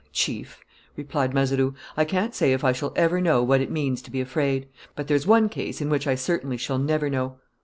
"Chief," replied Mazeroux, "I can't say if I shall ever know what it means to be afraid. But there's one case in which I certainly shall never know."